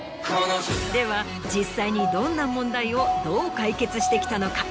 では実際にどんな問題をどう解決してきたのか？